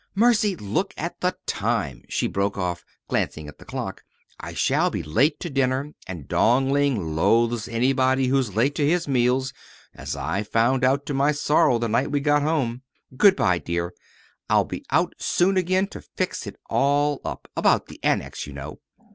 Mercy! Look at the time," she broke off, glancing at the clock. "I shall be late to dinner, and Dong Ling loathes anybody who's late to his meals as I found out to my sorrow the night we got home. Good by, dear. I'll be out soon again and fix it all up about the Annex, you know."